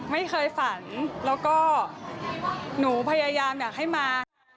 ไม่เคยฝันแล้วก็หนูพยายามอยากให้มา